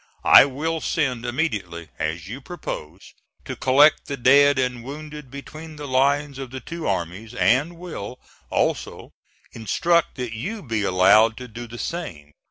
I will send immediately, as you propose, to collect the dead and wounded between the lines of the two armies, and will also instruct that you be allowed to do the same.